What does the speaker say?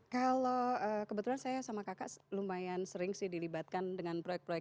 kalau kebetulan saya sama kakak lumayan sering sih dilibatkan dengan proyek proyek